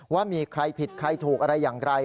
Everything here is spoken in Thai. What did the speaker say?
ว่ามีใครผิดใครถูกอะไรอย่างไร